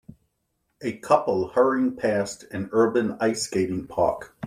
A couple hurrying past an urban ice skating park.